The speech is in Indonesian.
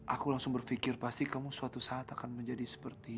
aku langsung berpikir pasti kamu suatu saat akan menjadi seperti